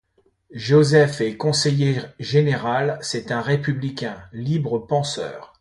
Joseph est conseiller général, c’est un républicain, libre-penseur.